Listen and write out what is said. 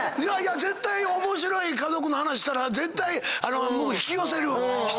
絶対面白い家族の話したら絶対引き寄せる人を。